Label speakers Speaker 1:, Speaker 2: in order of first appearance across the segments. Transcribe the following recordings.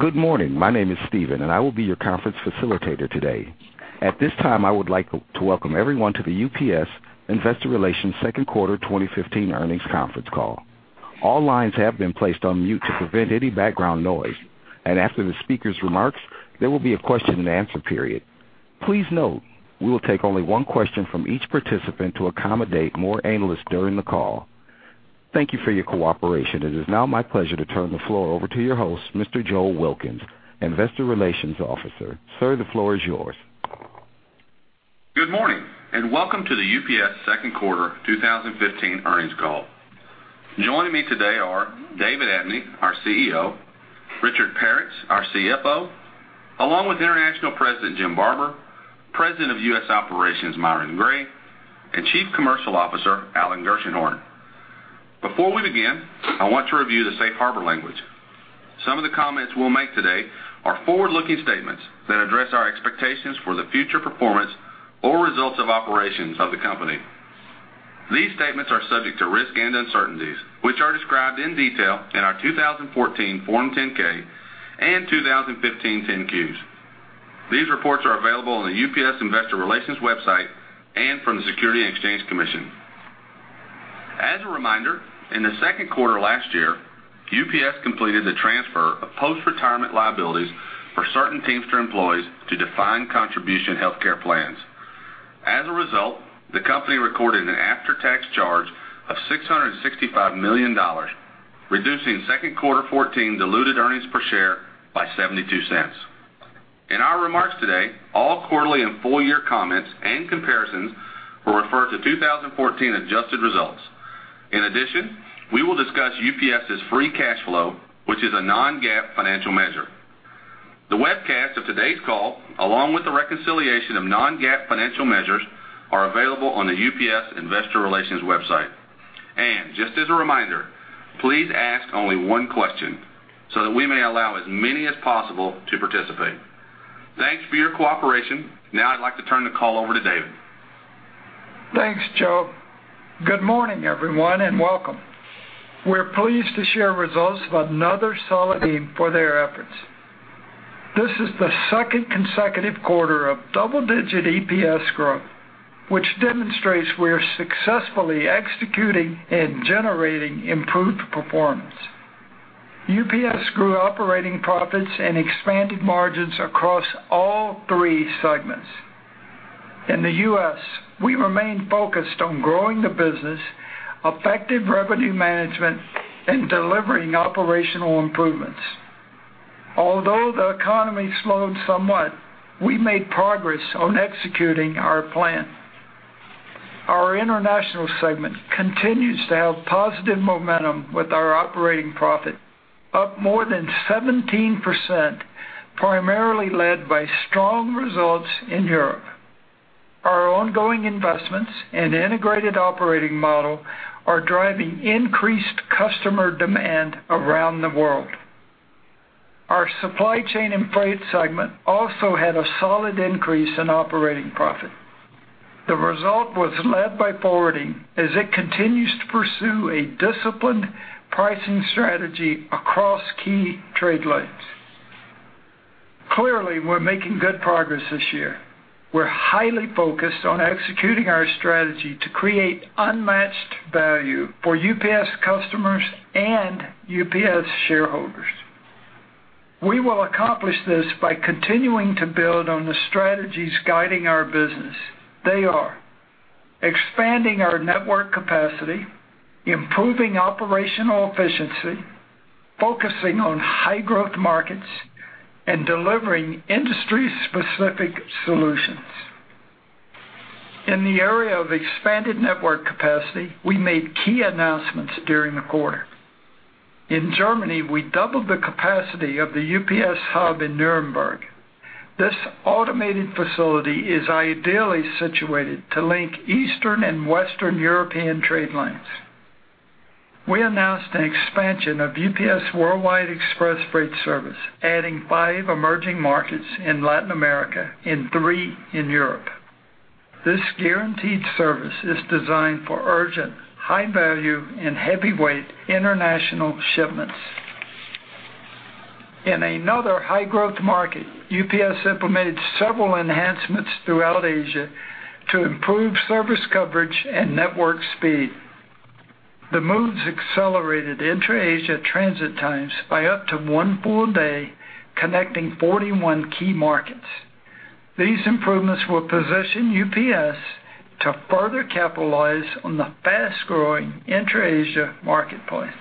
Speaker 1: Good morning. My name is Steven and I will be your conference facilitator today. At this time, I would like to welcome everyone to the UPS Investor Relations second quarter 2015 earnings conference call. All lines have been placed on mute to prevent any background noise. After the speaker's remarks, there will be a question and answer period. Please note we will take only one question from each participant to accommodate more analysts during the call. Thank you for your cooperation. It is now my pleasure to turn the floor over to your host, Mr. Joe Wilkins, investor relations officer. Sir, the floor is yours.
Speaker 2: Good morning, welcome to the UPS second quarter 2015 earnings call. Joining me today are David Abney, our CEO, Richard Peretz, our CFO, along with International President, Jim Barber, President of U.S. Operations, Myron Gray, and Chief Commercial Officer, Alan Gershenhorn. Before we begin, I want to review the safe harbor language. Some of the comments we'll make today are forward-looking statements that address our expectations for the future performance or results of operations of the company. These statements are subject to risks and uncertainties, which are described in detail in our 2014 Form 10-K and 2015 10-Qs. These reports are available on the UPS Investor Relations website and from the Securities and Exchange Commission. As a reminder, in the second quarter last year, UPS completed the transfer of post-retirement liabilities for certain Teamsters employees to define contribution healthcare plans. As a result, the company recorded an after-tax charge of $665 million, reducing second quarter 2014 diluted earnings per share by $0.72. In our remarks today, all quarterly and full-year comments and comparisons will refer to 2014 adjusted results. In addition, we will discuss UPS's free cash flow, which is a non-GAAP financial measure. The webcast of today's call, along with the reconciliation of non-GAAP financial measures, are available on the UPS Investor Relations website. Just as a reminder, please ask only one question so that we may allow as many as possible to participate. Thanks for your cooperation. I'd like to turn the call over to David.
Speaker 3: Thanks, Joe. Good morning, everyone, welcome. We're pleased to share results of another solid team for their efforts. This is the second consecutive quarter of double-digit EPS growth, which demonstrates we are successfully executing and generating improved performance. UPS grew operating profits and expanded margins across all three segments. In the U.S., we remain focused on growing the business, effective revenue management, and delivering operational improvements. Although the economy slowed somewhat, we made progress on executing our plan. Our international segment continues to have positive momentum with our operating profit up more than 17%, primarily led by strong results in Europe. Our ongoing investments and integrated operating model are driving increased customer demand around the world. Our supply chain and freight segment also had a solid increase in operating profit. The result was led by forwarding as it continues to pursue a disciplined pricing strategy across key trade lanes. Clearly, we're making good progress this year. We're highly focused on executing our strategy to create unmatched value for UPS customers and UPS shareholders. We will accomplish this by continuing to build on the strategies guiding our business. They are expanding our network capacity, improving operational efficiency, focusing on high-growth markets, and delivering industry-specific solutions. In the area of expanded network capacity, we made key announcements during the quarter. In Germany, we doubled the capacity of the UPS hub in Nuremberg. This automated facility is ideally situated to link Eastern and Western European trade lanes. We announced an expansion of UPS Worldwide Express Freight service, adding five emerging markets in Latin America and three in Europe. This guaranteed service is designed for urgent, high-value, and heavyweight international shipments. In another high-growth market, UPS implemented several enhancements throughout Asia to improve service coverage and network speed. The moves accelerated intra-Asia transit times by up to one full day, connecting 41 key markets. These improvements will position UPS to further capitalize on the fast-growing intra-Asia marketplace.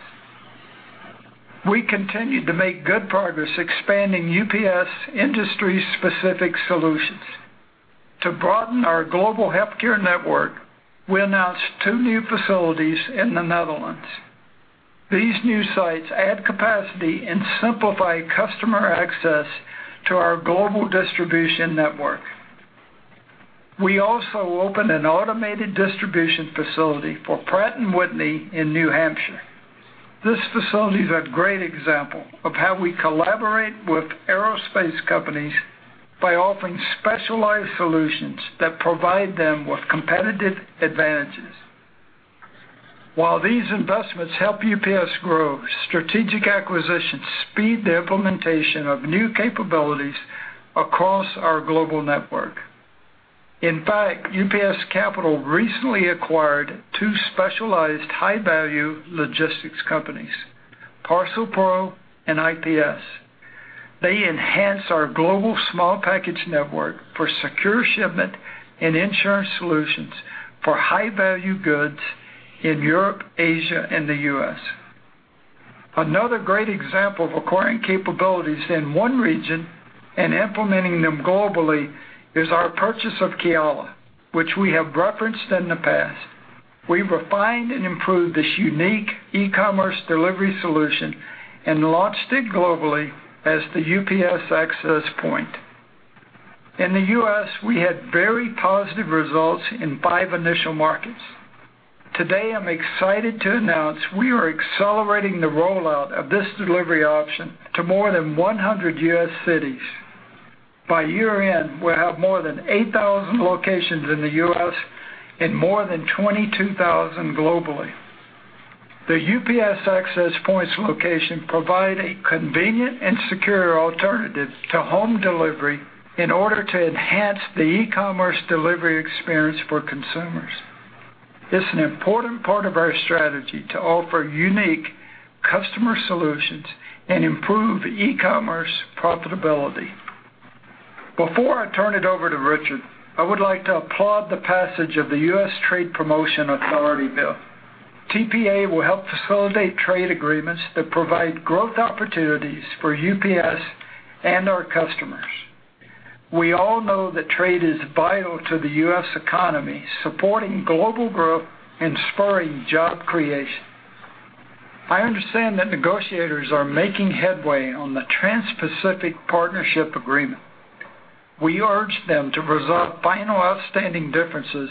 Speaker 3: We continued to make good progress expanding UPS industry-specific solutions. To broaden our global healthcare network, we announced two new facilities in the Netherlands. These new sites add capacity and simplify customer access to our global distribution network. We also opened an automated distribution facility for Pratt & Whitney in New Hampshire. This facility is a great example of how we collaborate with aerospace companies by offering specialized solutions that provide them with competitive advantages. While these investments help UPS grow, strategic acquisitions speed the implementation of new capabilities across our global network. In fact, UPS Capital recently acquired two specialized high-value logistics companies, ParcelPro and IPS. They enhance our global small package network for secure shipment and insurance solutions for high-value goods in Europe, Asia, and the U.S. Another great example of acquiring capabilities in one region and implementing them globally is our purchase of Kiala, which we have referenced in the past. We refined and improved this unique e-commerce delivery solution and launched it globally as the UPS Access Point. In the U.S., we had very positive results in five initial markets. Today, I'm excited to announce we are accelerating the rollout of this delivery option to more than 100 U.S. cities. By year-end, we'll have more than 8,000 locations in the U.S. and more than 22,000 globally. The UPS Access Point location provide a convenient and secure alternative to home delivery in order to enhance the e-commerce delivery experience for consumers. It's an important part of our strategy to offer unique customer solutions and improve e-commerce profitability. Before I turn it over to Richard, I would like to applaud the passage of the U.S. Trade Promotion Authority bill. TPA will help facilitate trade agreements that provide growth opportunities for UPS and our customers. We all know that trade is vital to the U.S. economy, supporting global growth and spurring job creation. I understand that negotiators are making headway on the Trans-Pacific Partnership Agreement. We urge them to resolve final outstanding differences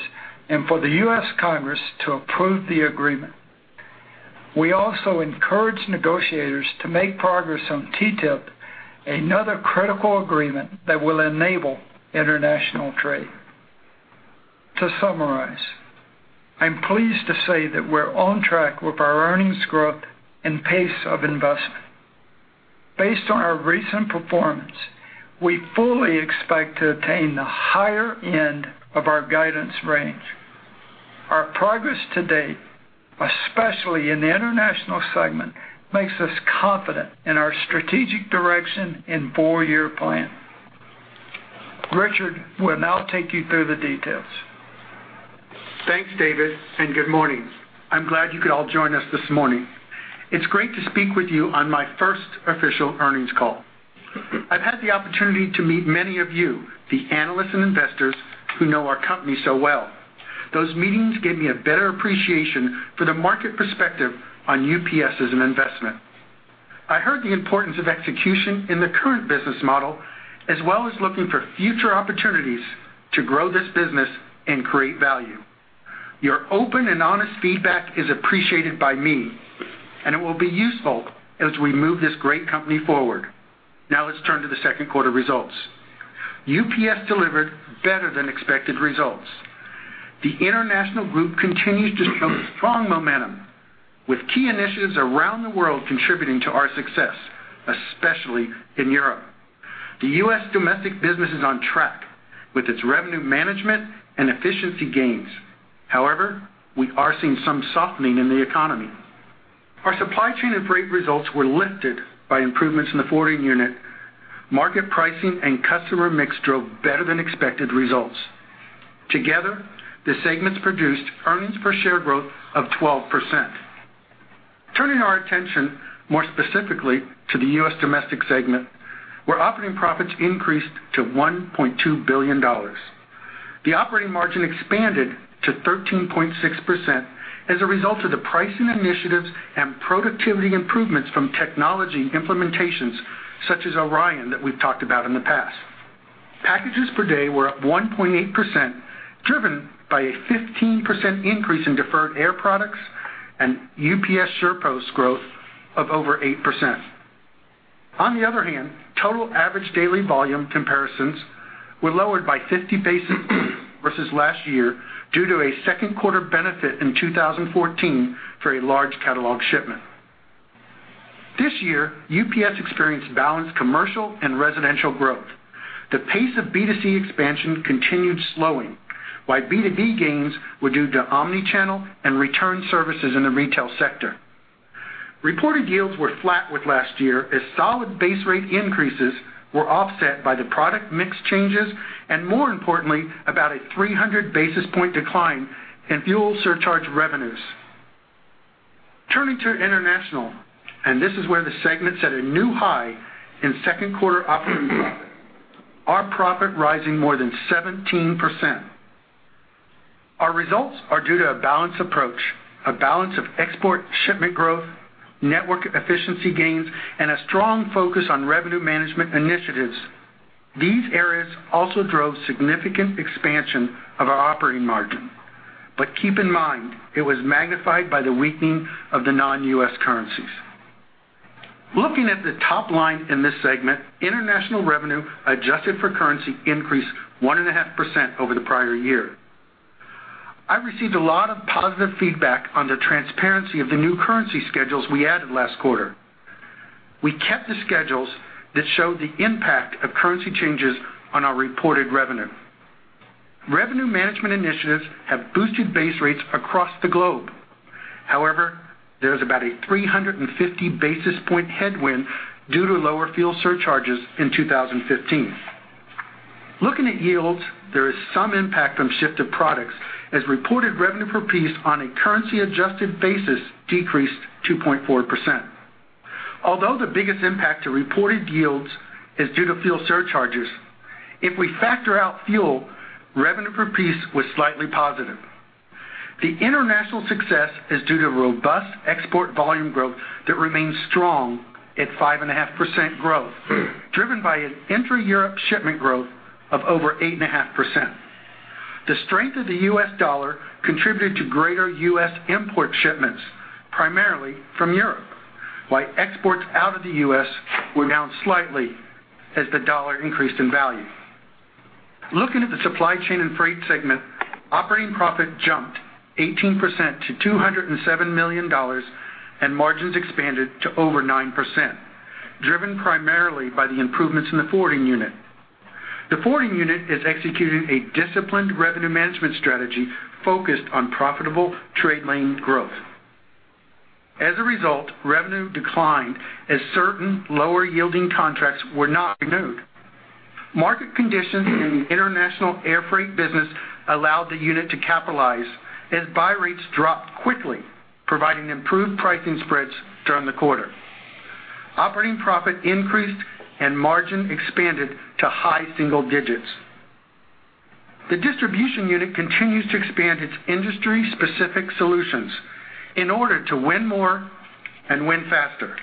Speaker 3: and for the U.S. Congress to approve the Agreement. We also encourage negotiators to make progress on T-TIP, another critical agreement that will enable international trade. To summarize, I'm pleased to say that we're on track with our earnings growth and pace of investment. Based on our recent performance, we fully expect to attain the higher end of our guidance range. Our progress to date, especially in the international segment, makes us confident in our strategic direction and four-year plan. Richard will now take you through the details.
Speaker 4: Thanks, David, and good morning. I'm glad you could all join us this morning. It's great to speak with you on my first official earnings call. I've had the opportunity to meet many of you, the analysts and investors who know our company so well. Those meetings gave me a better appreciation for the market perspective on UPS as an investment. I heard the importance of execution in the current business model, as well as looking for future opportunities to grow this business and create value. Your open and honest feedback is appreciated by me, and it will be useful as we move this great company forward. Let's turn to the second quarter results. UPS delivered better than expected results. The international group continues to show strong momentum, with key initiatives around the world contributing to our success, especially in Europe. The U.S. domestic business is on track with its revenue management and efficiency gains. However, we are seeing some softening in the economy. Our supply chain and freight results were lifted by improvements in the forwarding unit. Market pricing and customer mix drove better than expected results. Together, the segments produced earnings per share growth of 12%. Turning our attention more specifically to the U.S. domestic segment, where operating profits increased to $1.2 billion. The operating margin expanded to 13.6% as a result of the pricing initiatives and productivity improvements from technology implementations, such as ORION, that we've talked about in the past. Packages per day were up 1.8%, driven by a 15% increase in deferred air products and UPS SurePost growth of over 8%. On the other hand, total average daily volume comparisons were lowered by 50 basis points versus last year due to a second quarter benefit in 2014 for a large catalog shipment. This year, UPS experienced balanced commercial and residential growth. The pace of B2C expansion continued slowing, while B2B gains were due to omni-channel and return services in the retail sector. Reported yields were flat with last year as solid base rate increases were offset by the product mix changes and, more importantly, about a 300 basis point decline in fuel surcharge revenues. Turning to international, this is where the segment set a new high in second quarter operating profit. Our profit rising more than 17%. Our results are due to a balanced approach, a balance of export shipment growth, network efficiency gains, and a strong focus on revenue management initiatives. These areas also drove significant expansion of our operating margin. But keep in mind, it was magnified by the weakening of the non-U.S. currencies. Looking at the top line in this segment, international revenue adjusted for currency increased 1.5% over the prior year. I received a lot of positive feedback on the transparency of the new currency schedules we added last quarter. We kept the schedules that showed the impact of currency changes on our reported revenue. Revenue management initiatives have boosted base rates across the globe. However, there is about a 350 basis point headwind due to lower fuel surcharges in 2015. Looking at yields, there is some impact from shift of products, as reported revenue per piece on a currency-adjusted basis decreased 2.4%. Although the biggest impact to reported yields is due to fuel surcharges, if we factor out fuel, revenue per piece was slightly positive. The international success is due to robust export volume growth that remains strong at 5.5% growth, driven by an intra-Europe shipment growth of over 8.5%. The strength of the U.S. dollar contributed to greater U.S. import shipments, primarily from Europe, while exports out of the U.S. were down slightly as the dollar increased in value. Looking at the Supply Chain and Freight segment, operating profit jumped 18% to $207 million, and margins expanded to over 9%, driven primarily by the improvements in the forwarding unit. The forwarding unit is executing a disciplined revenue management strategy focused on profitable trade lane growth. As a result, revenue declined as certain lower-yielding contracts were not renewed. Market conditions in the international air freight business allowed the unit to capitalize as buy rates dropped quickly, providing improved pricing spreads during the quarter. Operating profit increased, and margin expanded to high single digits. The distribution unit continues to expand its industry-specific solutions in order to win more and win faster,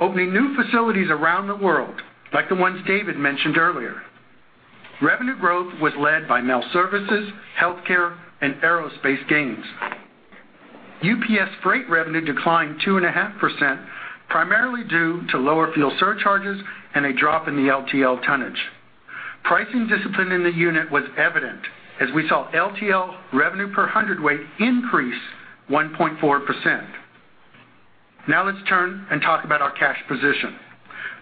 Speaker 4: opening new facilities around the world, like the ones David mentioned earlier. Revenue growth was led by mail services, healthcare, and aerospace gains. UPS Freight revenue declined 2.5%, primarily due to lower fuel surcharges and a drop in the LTL tonnage. Pricing discipline in the unit was evident as we saw LTL revenue per hundredweight increase 1.4%. Now let's turn and talk about our cash position.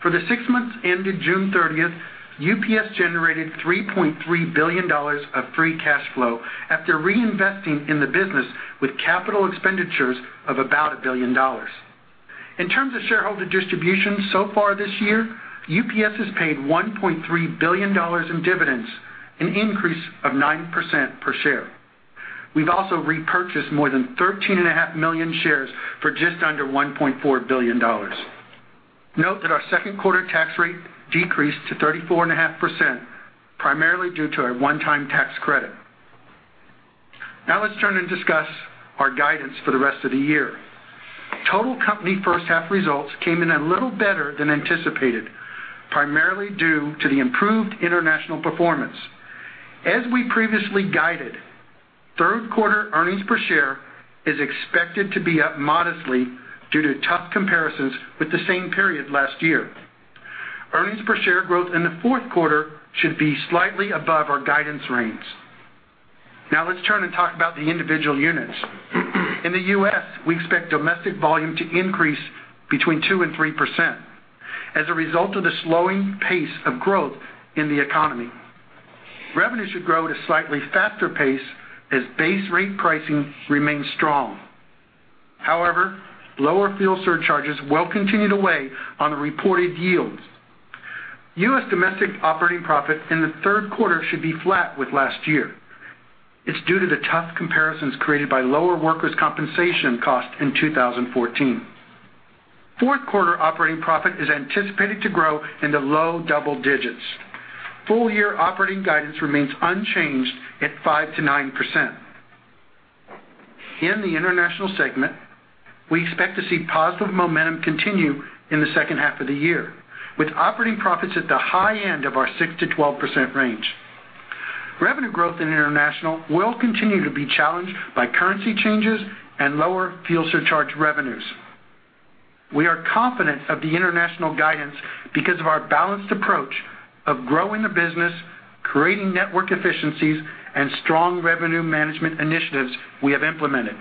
Speaker 4: For the six months ended June 30th, UPS generated $3.3 billion of free cash flow after reinvesting in the business with capital expenditures of about $1 billion. In terms of shareholder distribution so far this year, UPS has paid $1.3 billion in dividends, an increase of 9% per share. We've also repurchased more than 13.5 million shares for just under $1.4 billion. Note that our second quarter tax rate decreased to 34.5%, primarily due to a one-time tax credit. Now let's turn and discuss our guidance for the rest of the year. Total company first half results came in a little better than anticipated, primarily due to the improved international performance. As we previously guided, third quarter earnings per share is expected to be up modestly due to tough comparisons with the same period last year. Earnings per share growth in the fourth quarter should be slightly above our guidance range. Now let's turn and talk about the individual units. In the U.S., we expect domestic volume to increase between 2% and 3% as a result of the slowing pace of growth in the economy. Revenue should grow at a slightly faster pace as base rate pricing remains strong. However, lower fuel surcharges will continue to weigh on the reported yields. U.S. domestic operating profit in the third quarter should be flat with last year. It is due to the tough comparisons created by lower workers' compensation costs in 2014. Fourth-quarter operating profit is anticipated to grow in the low double digits. Full-year operating guidance remains unchanged at 5%-9%. In the international segment, we expect to see positive momentum continue in the second half of the year, with operating profits at the high end of our 6%-12% range. Revenue growth in international will continue to be challenged by currency changes and lower fuel surcharge revenues. We are confident of the international guidance because of our balanced approach of growing the business, creating network efficiencies, and strong revenue management initiatives we have implemented.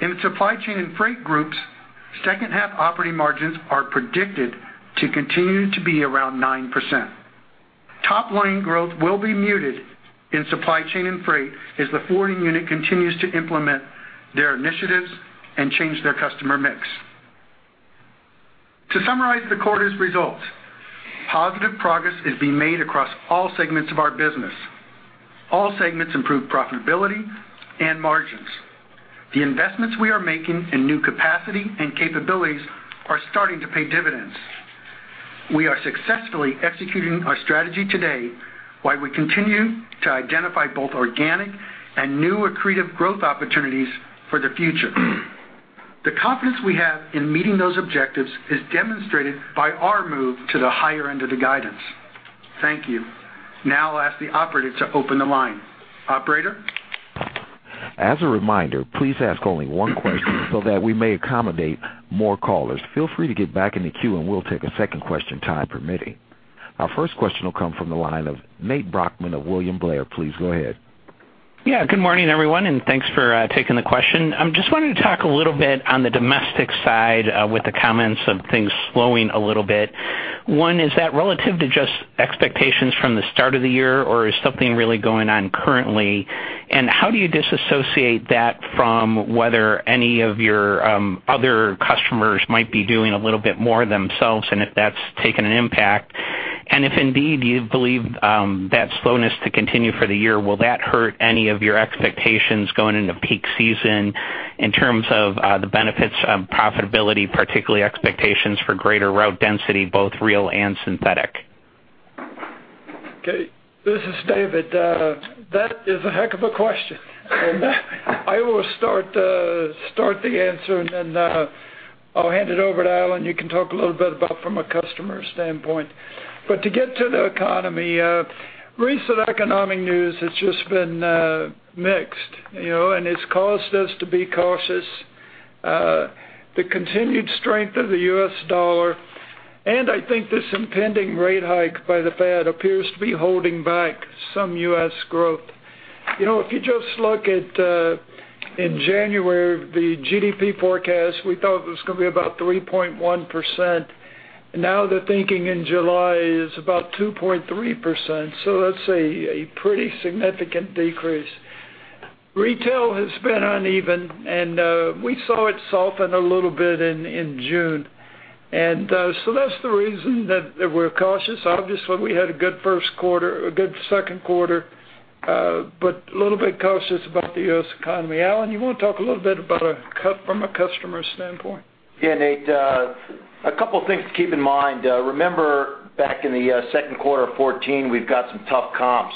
Speaker 4: In the Supply Chain and Freight groups, second-half operating margins are predicted to continue to be around 9%. Top-line growth will be muted in Supply Chain and Freight as the forwarding unit continues to implement their initiatives and change their customer mix. To summarize the quarter's results, positive progress is being made across all segments of our business. All segments improved profitability and margins. The investments we are making in new capacity and capabilities are starting to pay dividends. We are successfully executing our strategy today while we continue to identify both organic and new accretive growth opportunities for the future. The confidence we have in meeting those objectives is demonstrated by our move to the higher end of the guidance. Thank you. Now I will ask the operator to open the line. Operator?
Speaker 1: As a reminder, please ask only one question so that we may accommodate more callers. Feel free to get back in the queue and we will take a second question, time permitting. Our first question will come from the line of Nate Brochman of William Blair. Please go ahead.
Speaker 5: Yeah. Good morning, everyone, and thanks for taking the question. Just wanted to talk a little bit on the domestic side with the comments of things slowing a little bit. One, is that relative to just expectations from the start of the year, or is something really going on currently? How do you disassociate that from whether any of your other customers might be doing a little bit more themselves, and if that has taken an impact? If indeed you believe that slowness to continue for the year, will that hurt any of your expectations going into peak season in terms of the benefits, profitability, particularly expectations for greater route density, both real and synthetic?
Speaker 3: Okay, this is David. That is a heck of a question. I will start the answer and then I'll hand it over to Alan. You can talk a little bit about from a customer standpoint. To get to the economy, recent economic news has just been mixed, and it's caused us to be cautious. The continued strength of the U.S. dollar, I think this impending rate hike by Federal Reserve appears to be holding back some U.S. growth. If you just look at in January, the GDP forecast, we thought it was going to be about 3.1%. Now they're thinking in July is about 2.3%, so let's say a pretty significant decrease. Retail has been uneven, we saw it soften a little bit in June. That's the reason that we're cautious. Obviously, we had a good first quarter, a good second quarter, a little bit cautious about the U.S. economy. Alan, you want to talk a little bit about from a customer standpoint?
Speaker 6: Yeah, Nate. A couple of things to keep in mind. Remember back in the second quarter of 2014, we've got some tough comps.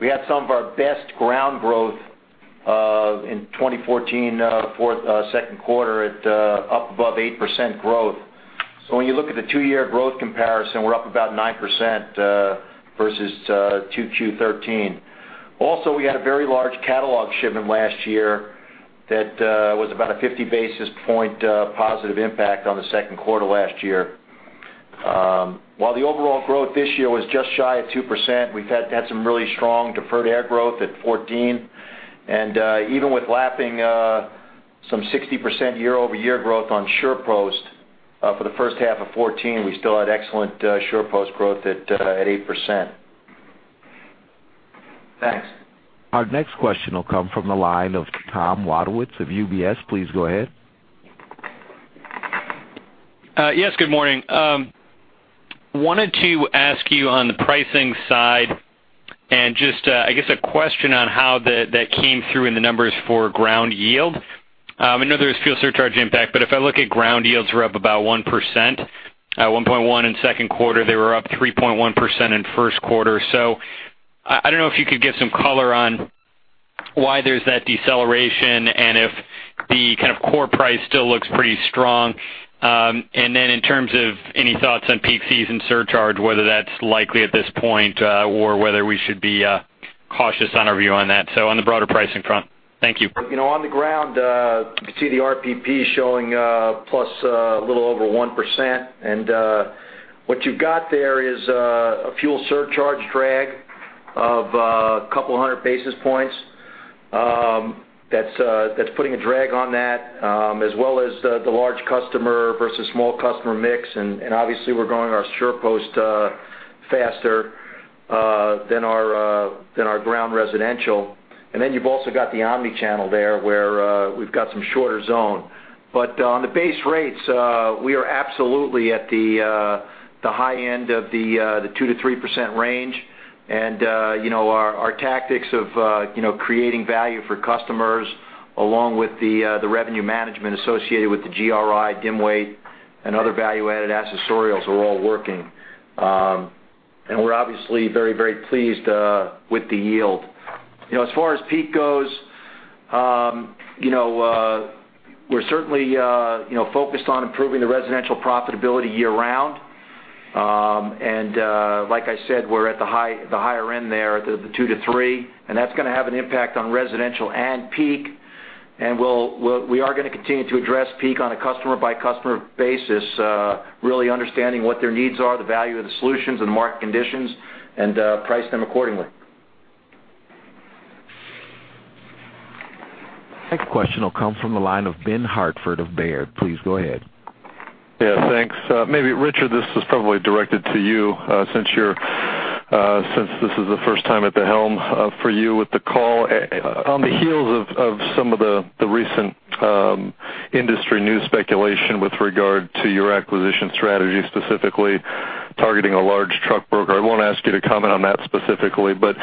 Speaker 6: We had some of our best ground growth, in 2014, second quarter at up above 8% growth. When you look at the two-year growth comparison, we're up about 9%, versus 2Q13. Also, we had a very large catalog shipment last year that was about a 50 basis point positive impact on the second quarter last year. While the overall growth this year was just shy of 2%, we've had some really strong deferred air growth at 14. Even with lapping some 60% year-over-year growth on SurePost for the first half of 2014, we still had excellent SurePost growth at 8%.
Speaker 5: Thanks.
Speaker 1: Our next question will come from the line of Tom Wadewitz of UBS. Please go ahead.
Speaker 7: Yes, good morning. Wanted to ask you on the pricing side and just, I guess, a question on how that came through in the numbers for ground yield. I know there was fuel surcharge impact, but if I look at ground yields, we're up about 1%, 1.1% in the second quarter. They were up 3.1% in the first quarter. I don't know if you could give some color on why there's that deceleration and if the core price still looks pretty strong. In terms of any thoughts on peak season surcharge, whether that's likely at this point or whether we should be cautious on our view on that. On the broader pricing front. Thank you.
Speaker 6: On the ground, you can see the RPP showing plus a little over 1%. What you've got there is a fuel surcharge drag of a couple of hundred basis points that's putting a drag on that, as well as the large customer versus small customer mix. Obviously, we're growing our SurePost faster than our ground residential. You've also got the omni-channel there, where we've got some shorter zone. On the base rates, we are absolutely at the high end of the 2%-3% range. Our tactics of creating value for customers, along with the revenue management associated with the GRI, dim weight, and other value-added accessorials are all working. We're obviously very, very pleased with the yield. As far as peak goes, we're certainly focused on improving the residential profitability year-round. Like I said, we're at the higher end there, the 2%-3%, and that's going to have an impact on residential and peak. We are going to continue to address peak on a customer-by-customer basis, really understanding what their needs are, the value of the solutions and market conditions, and price them accordingly.
Speaker 1: Next question will come from the line of Ben Hartford of Baird. Please go ahead.
Speaker 8: Thanks. Maybe Richard, this is probably directed to you, since this is the first time at the helm for you with the call. On the heels of some of the recent industry news speculation with regard to your acquisition strategy, specifically targeting a large truck broker. I won't ask you to comment on that specifically, but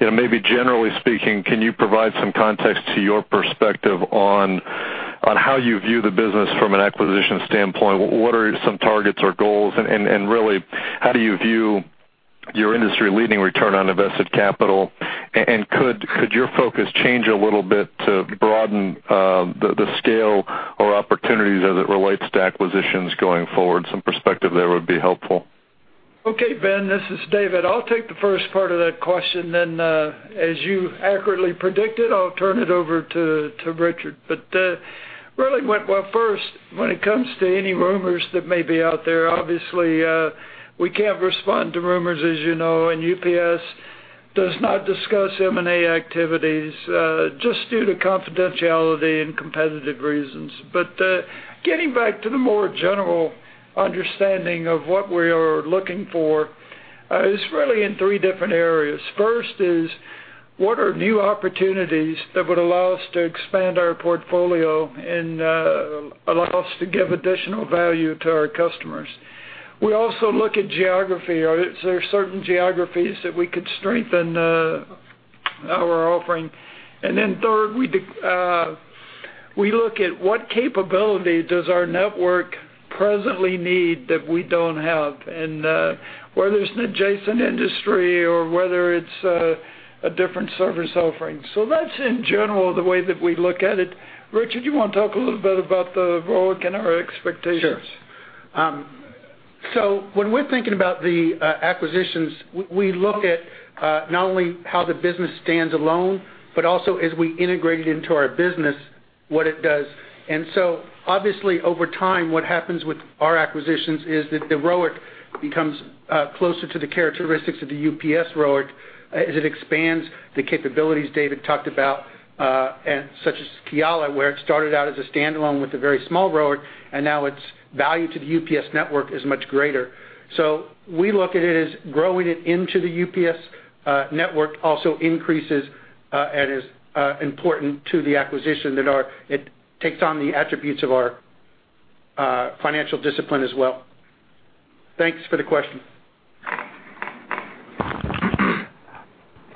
Speaker 8: maybe generally speaking, can you provide some context to your perspective on how you view the business from an acquisition standpoint? What are some targets or goals, and really, how do you view your industry-leading return on invested capital? Could your focus change a little bit to broaden the scale or opportunities as it relates to acquisitions going forward? Some perspective there would be helpful.
Speaker 3: Ben, this is David. I'll take the first part of that question then, as you accurately predicted, I'll turn it over to Richard. Really, well first, when it comes to any rumors that may be out there, obviously, we can't respond to rumors, as you know, and UPS does not discuss M&A activities just due to confidentiality and competitive reasons. Getting back to the more general understanding of what we are looking for, it's really in three different areas. First is, what are new opportunities that would allow us to expand our portfolio and allow us to give additional value to our customers? We also look at geography. Are there certain geographies that we could strengthen our offering? Then third, we look at what capability does our network presently need that we don't have? Whether it's an adjacent industry or whether it's a different service offering. That's in general the way that we look at it. Richard, you want to talk a little bit about the ROIC and our expectations?
Speaker 4: Sure. When we're thinking about the acquisitions, we look at not only how the business stands alone, but also as we integrate it into our business, what it does. Obviously, over time, what happens with our acquisitions is that the ROIC becomes closer to the characteristics of the UPS ROIC as it expands the capabilities David talked about, such as Kiala, where it started out as a standalone with a very small ROIC, and now its value to the UPS network is much greater. We look at it as growing it into the UPS network also increases and is important to the acquisition that it takes on the attributes of our financial discipline as well. Thanks for the question.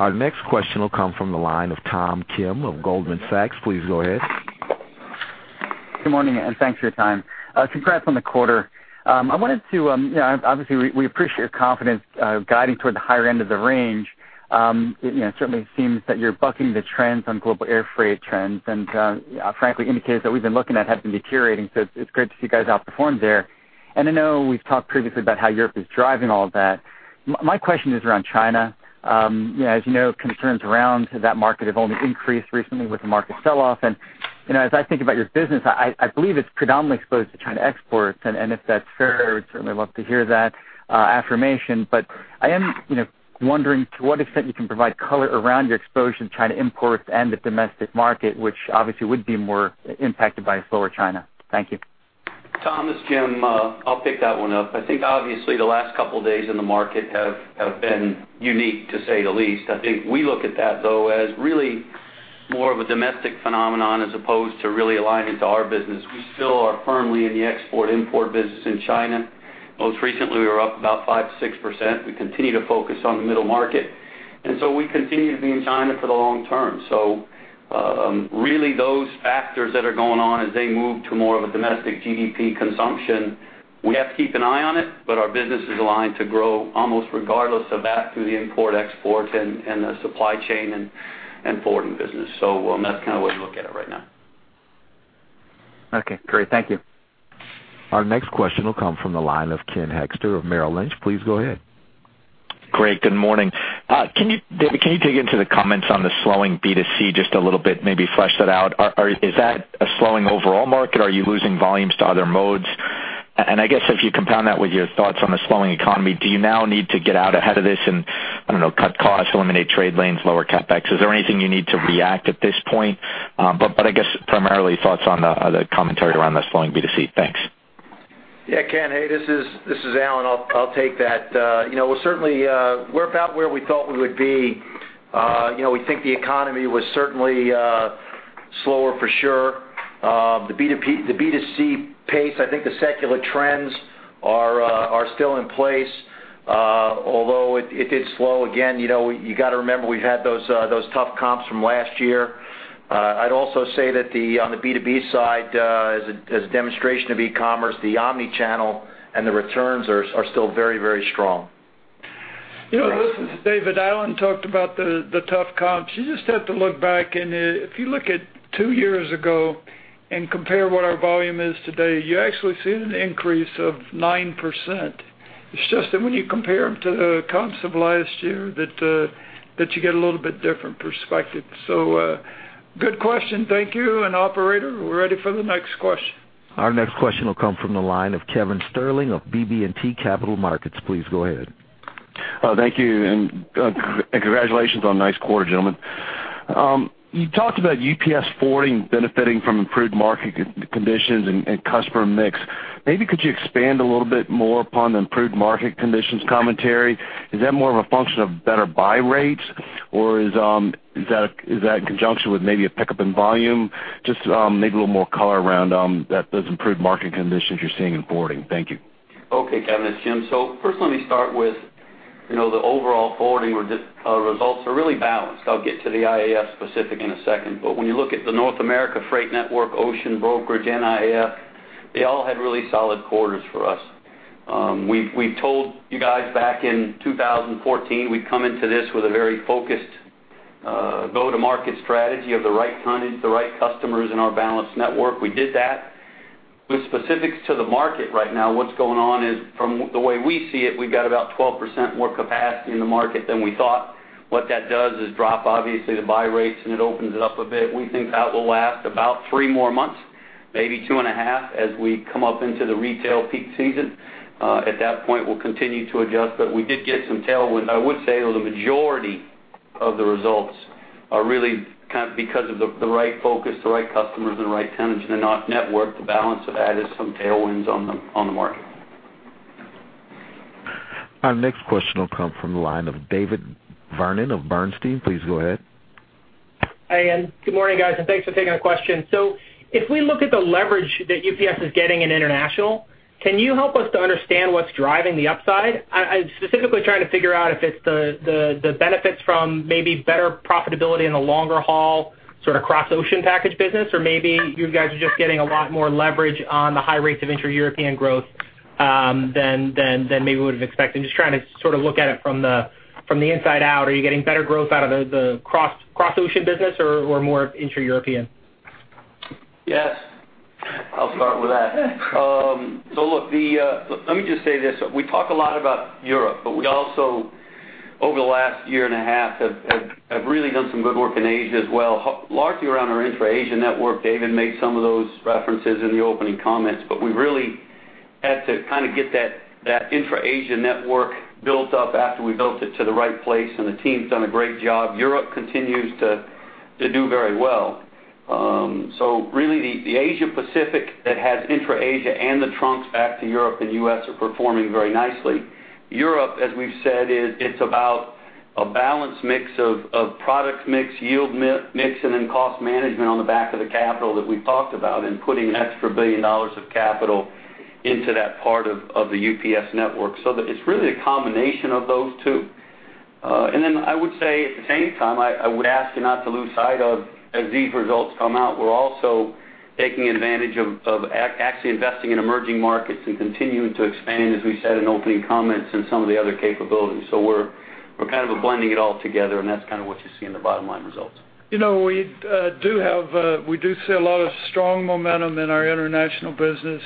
Speaker 1: Our next question will come from the line of Tom Kim of Goldman Sachs. Please go ahead.
Speaker 9: Good morning. Thanks for your time. Congrats on the quarter. Obviously, we appreciate your confidence guiding toward the higher end of the range. It certainly seems that you're bucking the trends on global air freight trends and, frankly, indicators that we've been looking at have been deteriorating, so it's great to see you guys outperform there. I know we've talked previously about how Europe is driving all of that. My question is around China. As you know, concerns around that market have only increased recently with the market sell-off. As I think about your business, I believe it's predominantly exposed to China exports. If that's fair, I'd certainly love to hear that affirmation. I am wondering to what extent you can provide color around your exposure to China imports and the domestic market, which obviously would be more impacted by a slower China. Thank you.
Speaker 10: Tom, this is Jim. I'll pick that one up. Obviously the last couple of days in the market have been unique, to say the least. We look at that, though, as really more of a domestic phenomenon as opposed to really aligning to our business. We still are firmly in the export-import business in China. Most recently, we were up about 5%-6%. We continue to focus on the middle market. We continue to be in China for the long term. Really those factors that are going on as they move to more of a domestic GDP consumption, we have to keep an eye on it, but our business is aligned to grow almost regardless of that through the import/export and the supply chain and forwarding business. That's kind of way we look at it right now.
Speaker 9: Okay, great. Thank you.
Speaker 1: Our next question will come from the line of Ken Hoexter of Merrill Lynch. Please go ahead.
Speaker 6: Great. Good morning. David, can you dig into the comments on the slowing B2C just a little bit, maybe flesh that out? Is that a slowing overall market? Are you losing volumes to other modes? I guess if you compound that with your thoughts on the slowing economy, do you now need to get out ahead of this and, I don't know, cut costs, eliminate trade lanes, lower CapEx? Is there anything you need to react at this point? I guess primarily thoughts on the commentary around the slowing B2C. Thanks. Yeah, Ken, hey, this is Alan. I'll take that. Certainly, we're about where we thought we would be. We think the economy was certainly slower for sure. The B2C pace, I think the secular trends are still in place, although it did slow again. You got to remember we've had those tough comps from last year. I'd also say that on the B2B side, as a demonstration of e-commerce, the omni-channel and the returns are still very strong.
Speaker 3: This is David. Alan talked about the tough comps. You just have to look back, and if you look at two years ago and compare what our volume is today, you actually see an increase of 9%. It's just that when you compare them to the comps of last year, that you get a little bit different perspective. Good question. Thank you. Operator, we're ready for the next question.
Speaker 1: Our next question will come from the line of Kevin Sterling of BB&T Capital Markets. Please go ahead.
Speaker 11: Thank you, congratulations on a nice quarter, gentlemen. You talked about UPS forwarding benefiting from improved market conditions and customer mix. Maybe could you expand a little bit more upon the improved market conditions commentary? Is that more of a function of better buy rates, or is that in conjunction with maybe a pickup in volume? Just maybe a little more color around those improved market conditions you're seeing in forwarding. Thank you.
Speaker 10: Okay, Kevin, this is Jim. First, let me start with the overall forwarding results are really balanced. I'll get to the IAF specific in a second. When you look at the North America freight network, ocean brokerage, and IAF, they all had really solid quarters for us. We told you guys back in 2014, we'd come into this with a very focused go-to-market strategy of the right tonnage, the right customers in our balanced network. We did that. With specifics to the market right now, what's going on is, from the way we see it, we've got about 12% more capacity in the market than we thought. What that does is drop, obviously, the buy rates, and it opens it up a bit. We think that will last about three more months, maybe two and a half, as we come up into the retail peak season. At that point, we'll continue to adjust. We did get some tailwind. I would say the majority of the results are really because of the right focus, the right customers, and the right tonnage in our network. The balance of that is some tailwinds on the market.
Speaker 1: Our next question will come from the line of David Vernon of Bernstein. Please go ahead.
Speaker 12: Hi, good morning, guys, and thanks for taking the question. If we look at the leverage that UPS is getting in international, can you help us to understand what's driving the upside? I'm specifically trying to figure out if it's the benefits from maybe better profitability in the longer haul, sort of cross-ocean package business, or maybe you guys are just getting a lot more leverage on the high rates of intra-European growth than maybe we would've expected. Just trying to sort of look at it from the inside out. Are you getting better growth out of the cross-ocean business or more of intra-European?
Speaker 10: Yes. I'll start with that. Look, let me just say this. We talk a lot about Europe, but we also, over the last year and a half, have really done some good work in Asia as well, largely around our intra-Asia network. David made some of those references in the opening comments, but we really had to kind of get that intra-Asia network built up after we built it to the right place, and the team's done a great job. Europe continues to do very well. Really, the Asia Pacific that has intra-Asia and the trunks back to Europe and U.S. are performing very nicely. Europe, as we've said, it's about a balanced mix of product mix, yield mix, and then cost management on the back of the capital that we've talked about and putting an extra $1 billion of capital into that part of the UPS network. It's really a combination of those two. Then I would say, at the same time, I would ask you not to lose sight of, as these results come out, we're also taking advantage of actually investing in emerging markets and continuing to expand, as we said in opening comments, in some of the other capabilities. We're kind of blending it all together, and that's kind of what you see in the bottom line results.
Speaker 3: We do see a lot of strong momentum in our international business,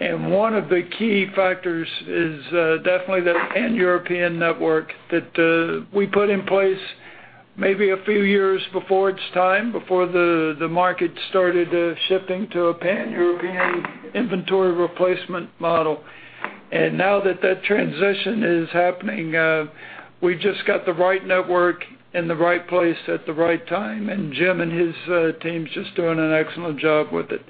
Speaker 3: one of the key factors is definitely that pan-European network that we put in place maybe a few years before its time, before the market started shifting to a pan-European inventory replacement model. Now that that transition is happening, we've just got the right network in the right place at the right time, and Jim and his team's just doing an excellent job with it.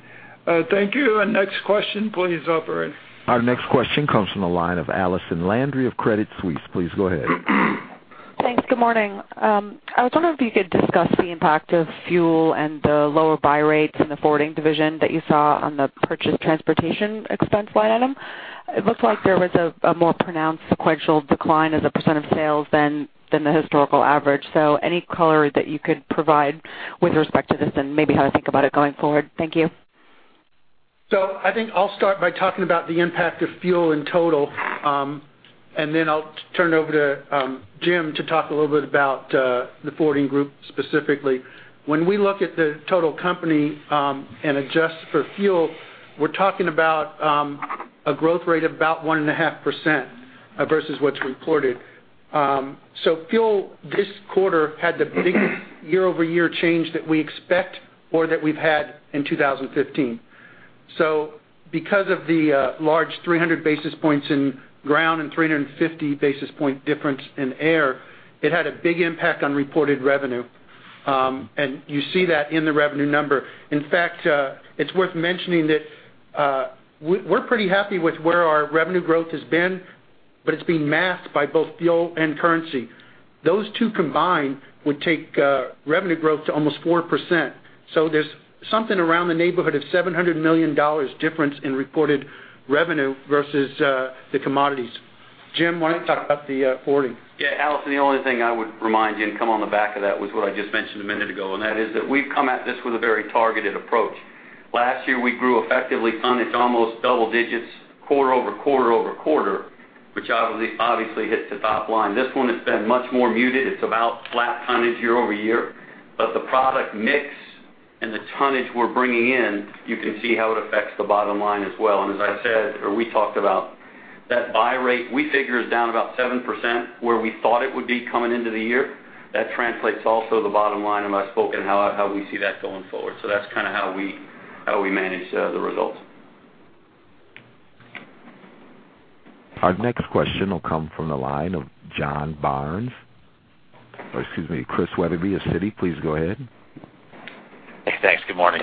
Speaker 3: Thank you. Next question, please, operator.
Speaker 1: Our next question comes from the line of Allison Landry of Credit Suisse. Please go ahead.
Speaker 13: Thanks. Good morning. I was wondering if you could discuss the impact of fuel and the lower buy rates in the forwarding division that you saw on the purchased transportation expense line item. It looks like there was a more pronounced sequential decline as a % of sales than the historical average. Any color that you could provide with respect to this and maybe how to think about it going forward? Thank you.
Speaker 4: I think I'll start by talking about the impact of fuel in total, then I'll turn it over to Jim to talk a little bit about the forwarding group specifically. When we look at the total company and adjust for fuel, we're talking about a growth rate of about 1.5% versus what's reported. Fuel this quarter had the biggest year-over-year change that we expect or that we've had in 2015. Because of the large 300 basis points in ground and 350 basis point difference in air, it had a big impact on reported revenue. You see that in the revenue number. In fact, it's worth mentioning that we're pretty happy with where our revenue growth has been, but it's being masked by both fuel and currency. Those two combined would take revenue growth to almost 4%.
Speaker 10: There's something around the neighborhood of $700 million difference in reported revenue versus the commodities. Jim, why don't you talk about the forwarding? Yeah. Allison, the only thing I would remind you, and come on the back of that, was what I just mentioned a minute ago, and that is that we've come at this with a very targeted approach. Last year, we grew effectively tonnage almost double digits quarter-over-quarter-over-quarter, which obviously hits the top line. This one has been much more muted. It's about flat tonnage year-over-year. The product mix and the tonnage we're bringing in, you can see how it affects the bottom line as well. As I said, or we talked about, that buy rate, we figure, is down about 7% where we thought it would be coming into the year. That translates also to the bottom line, I spoke on how we see that going forward. That's kind of how we manage the results.
Speaker 1: Our next question will come from the line of John Barnes. Excuse me, Christian Wetherbee of Citi, please go ahead.
Speaker 14: Thanks. Good morning.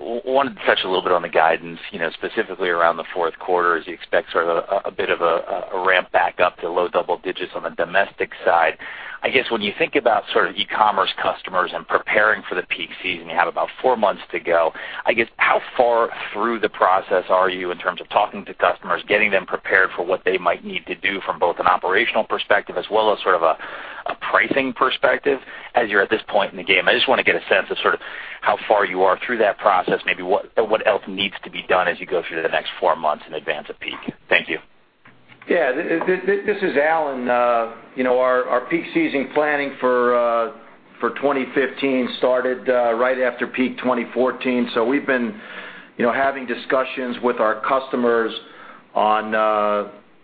Speaker 14: Wanted to touch a little bit on the guidance, specifically around the fourth quarter, as you expect sort of a bit of a ramp back up to low double digits on the domestic side. I guess when you think about sort of e-commerce customers and preparing for the peak season, you have about four months to go. I guess, how far through the process are you in terms of talking to customers, getting them prepared for what they might need to do from both an operational perspective as well as sort of a pricing perspective as you're at this point in the game? I just want to get a sense of sort of how far you are through that process, maybe what else needs to be done as you go through the next four months in advance of peak. Thank you.
Speaker 6: Yeah. This is Alan. Our peak season planning for 2015 started right after peak 2014. We've been having discussions with our customers on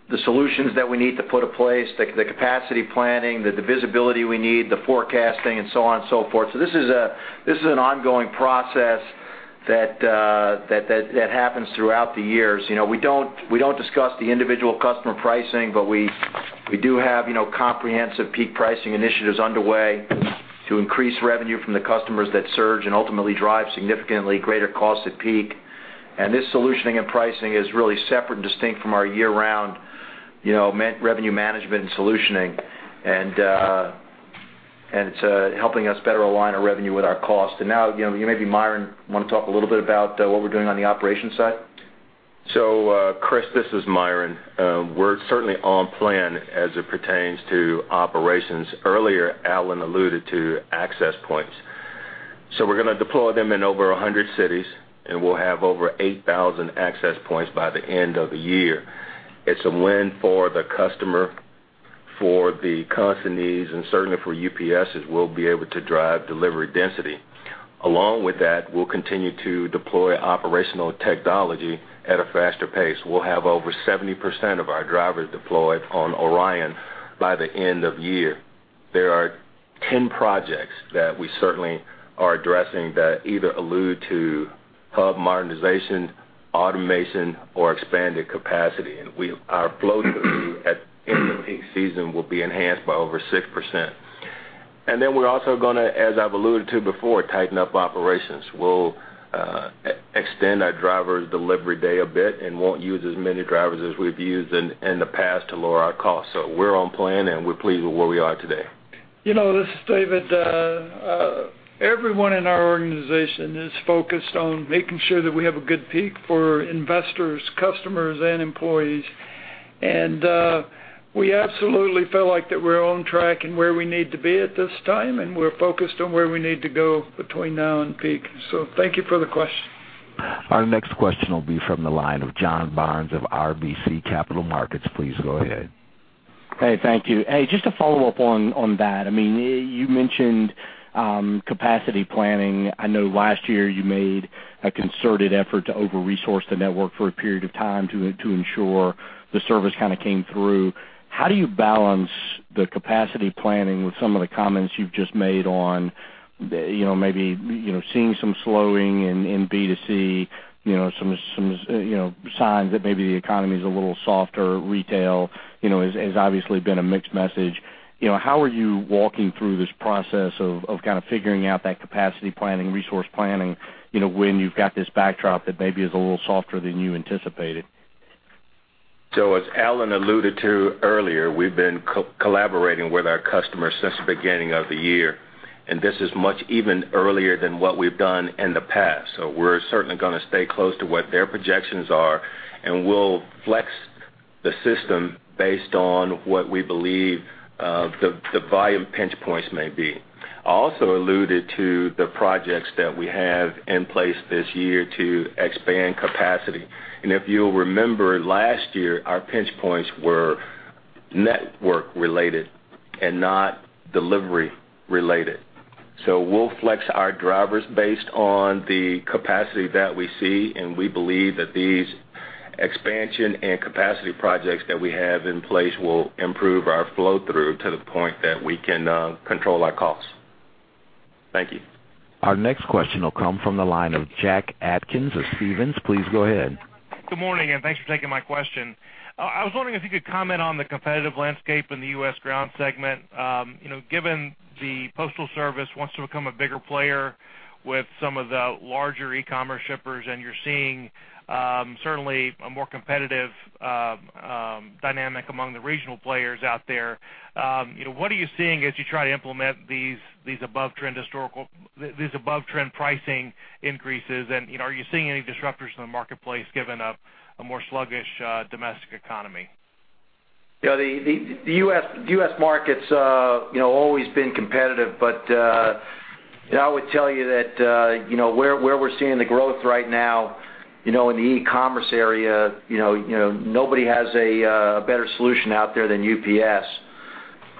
Speaker 6: the solutions that we need to put in place, the capacity planning, the visibility we need, the forecasting, and so on and so forth. This is an ongoing process that happens throughout the years. We don't discuss the individual customer pricing, but we do have comprehensive peak pricing initiatives underway to increase revenue from the customers that surge and ultimately drive significantly greater cost at peak. This solutioning and pricing is really separate and distinct from our year-round revenue management and solutioning. It's helping us better align our revenue with our cost. Now, maybe Myron want to talk a little bit about what we're doing on the operations side?
Speaker 15: Chris, this is Myron. We're certainly on plan as it pertains to operations. Earlier, Alan alluded to Access Points. We're going to deploy them in over 100 cities, and we'll have over 8,000 Access Points by the end of the year. It's a win for the customer, for the consignees, and certainly for UPS as we'll be able to drive delivery density. Along with that, we'll continue to deploy operational technology at a faster pace. We'll have over 70% of our drivers deployed on ORION by the end of the year. There are 10 projects that we certainly are addressing that either allude to hub modernization, automation, or expanded capacity. Our flow through at end of peak season will be enhanced by over 6%. We're also going to, as I've alluded to before, tighten up operations. We'll extend our drivers' delivery day a bit and won't use as many drivers as we've used in the past to lower our cost. We're on plan, and we're pleased with where we are today.
Speaker 3: This is David. Everyone in our organization is focused on making sure that we have a good peak for investors, customers, and employees. We absolutely feel like that we're on track in where we need to be at this time, and we're focused on where we need to go between now and peak. Thank you for the question.
Speaker 1: Our next question will be from the line of John Barnes of RBC Capital Markets. Please go ahead.
Speaker 16: Hey, thank you. Hey, just to follow up on that. You mentioned capacity planning. I know last year you made a concerted effort to over-resource the network for a period of time to ensure the service kind of came through. How do you balance the capacity planning with some of the comments you've just made on maybe seeing some slowing in B2C, some signs that maybe the economy's a little softer, retail has obviously been a mixed message. How are you walking through this process of kind of figuring out that capacity planning, resource planning, when you've got this backdrop that maybe is a little softer than you anticipated?
Speaker 15: As Alan alluded to earlier, we've been collaborating with our customers since the beginning of the year. This is much even earlier than what we've done in the past. We're certainly going to stay close to what their projections are, and we'll flex the system based on what we believe the volume pinch points may be. I also alluded to the projects that we have in place this year to expand capacity. If you'll remember last year, our pinch points were network related and not delivery related. We'll flex our drivers based on the capacity that we see, and we believe that these expansion and capacity projects that we have in place will improve our flow through to the point that we can control our costs. Thank you.
Speaker 1: Our next question will come from the line of Jack Atkins of Stephens. Please go ahead.
Speaker 17: Good morning, thanks for taking my question. I was wondering if you could comment on the competitive landscape in the U.S. Ground segment. Given the Postal Service wants to become a bigger player with some of the larger e-commerce shippers, you're seeing certainly a more competitive dynamic among the regional players out there, what are you seeing as you try to implement these above-trend pricing increases? Are you seeing any disruptors in the marketplace given a more sluggish domestic economy?
Speaker 6: The U.S. market's always been competitive. I would tell you that where we're seeing the growth right now in the e-commerce area, nobody has a better solution out there than UPS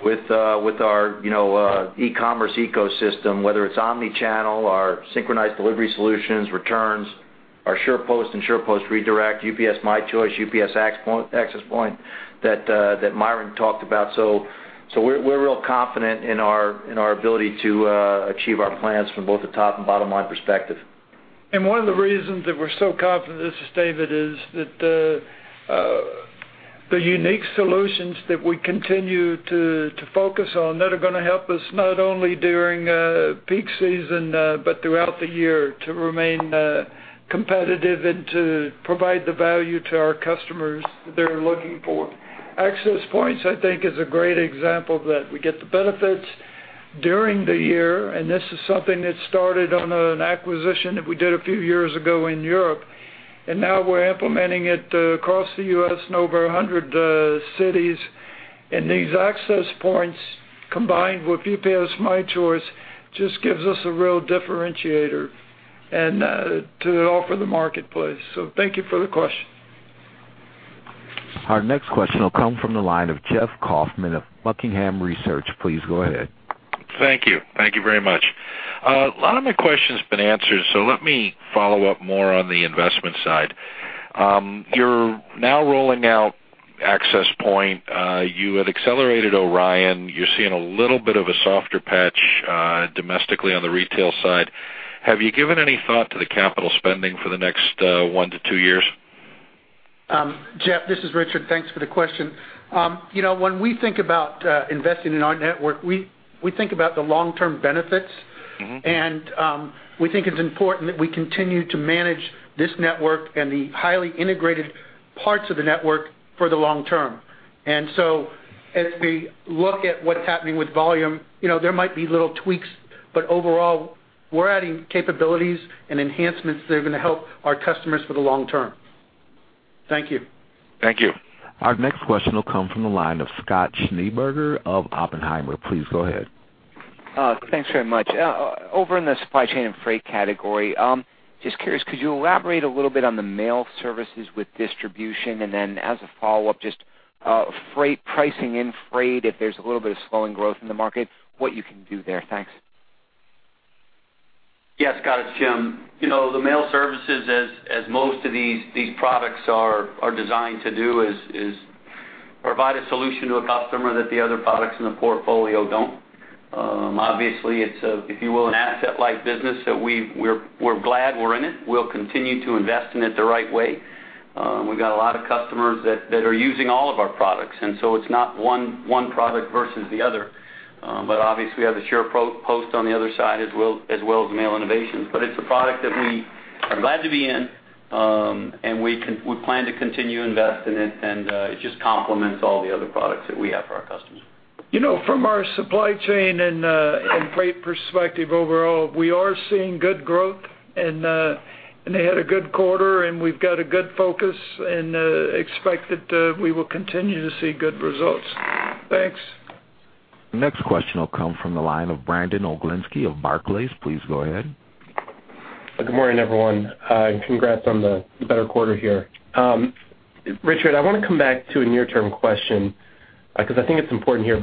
Speaker 6: with our e-commerce ecosystem, whether it's omni-channel, our synchronized delivery solutions, returns, our SurePost and SurePost Redirect, UPS My Choice, UPS Access Point that Myron talked about. We're real confident in our ability to achieve our plans from both the top and bottom line perspective.
Speaker 3: One of the reasons that we're so confident, this is David, is that the unique solutions that we continue to focus on that are going to help us not only during peak season, but throughout the year to remain competitive and to provide the value to our customers that they're looking for. Access points, I think, is a great example of that. We get the benefits during the year, this is something that started on an acquisition that we did a few years ago in Europe, now we're implementing it across the U.S. in over 100 cities. These access points combined with UPS My Choice just gives us a real differentiator to offer the marketplace. Thank you for the question.
Speaker 1: Our next question will come from the line of Jeff Beckham of Buckingham Research. Please go ahead.
Speaker 18: Thank you. Thank you very much. A lot of my question's been answered. Let me follow up more on the investment side. You're now rolling out UPS Access Point. You have accelerated ORION. You're seeing a little bit of a softer patch domestically on the retail side. Have you given any thought to the capital spending for the next one to two years?
Speaker 4: Jeff, this is Richard. Thanks for the question. When we think about investing in our network, we think about the long-term benefits. We think it's important that we continue to manage this network and the highly integrated parts of the network for the long term. As we look at what's happening with volume, there might be little tweaks, but overall, we're adding capabilities and enhancements that are going to help our customers for the long term. Thank you.
Speaker 18: Thank you.
Speaker 1: Our next question will come from the line of Scott Schneeberger of Oppenheimer. Please go ahead.
Speaker 19: Thanks very much. Over in the supply chain and freight category, just curious, could you elaborate a little bit on the mail services with distribution? Then as a follow-up, just freight pricing in freight, if there's a little bit of slowing growth in the market, what you can do there. Thanks.
Speaker 10: Yes, Scott, it's Jim. The mail services, as most of these products are designed to do, is provide a solution to a customer that the other products in the portfolio don't. Obviously, it's a, if you will, an asset-light business that we're glad we're in it. We'll continue to invest in it the right way. We've got a lot of customers that are using all of our products, so it's not one product versus the other. Obviously, we have the SurePost on the other side as well as Mail Innovations. It's a product that we are glad to be in, and we plan to continue to invest in it, and it just complements all the other products that we have for our customers.
Speaker 3: From our supply chain and freight perspective overall, we are seeing good growth, and they had a good quarter, and we've got a good focus and expect that we will continue to see good results. Thanks.
Speaker 1: Next question will come from the line of Brandon Oglenski of Barclays. Please go ahead.
Speaker 20: Good morning, everyone. Congrats on the better quarter here. Richard, I want to come back to a near-term question, because I think it's important here.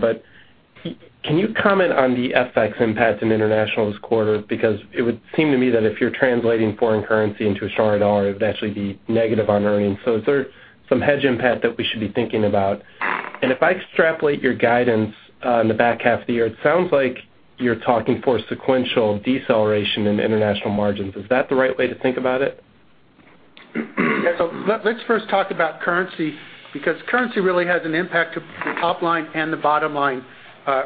Speaker 20: Can you comment on the FX impact in international this quarter? Because it would seem to me that if you're translating foreign currency into a strong dollar, it would actually be negative on earnings. Is there some hedge impact that we should be thinking about? If I extrapolate your guidance on the back half of the year, it sounds like you're talking for sequential deceleration in international margins. Is that the right way to think about it?
Speaker 4: Yeah. Let's first talk about currency, because currency really has an impact to the top line and the bottom line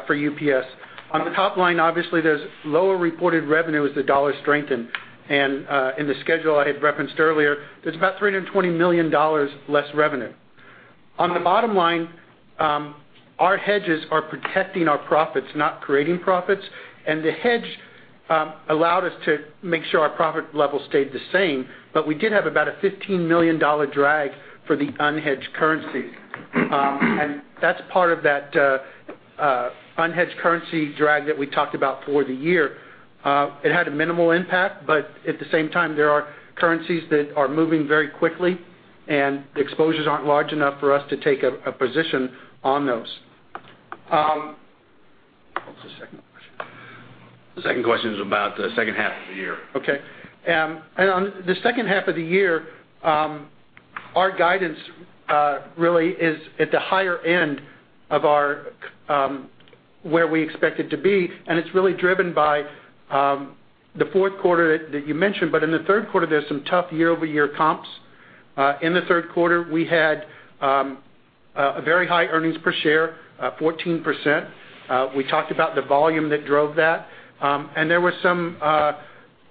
Speaker 4: for UPS. On the top line, obviously, there's lower reported revenue as the dollar strengthened. In the schedule I had referenced earlier, there's about $320 million less revenue. On the bottom line, our hedges are protecting our profits, not creating profits, and the hedge allowed us to make sure our profit level stayed the same, but we did have about a $15 million drag for the unhedged currencies. That's part of that unhedged currency drag that we talked about for the year. It had a minimal impact, but at the same time, there are currencies that are moving very quickly, and the exposures aren't large enough for us to take a position on those. What was the second question?
Speaker 10: The second question is about the second half of the year.
Speaker 4: Okay. On the second half of the year, our guidance really is at the higher end of where we expect it to be, and it's really driven by the fourth quarter that you mentioned. In the third quarter, there's some tough year-over-year comps. In the third quarter, we had a very high earnings per share, 14%. We talked about the volume that drove that. There was some